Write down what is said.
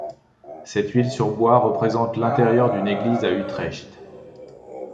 Cette huile sur bois représente l'intérieur d'une église à Utrecht.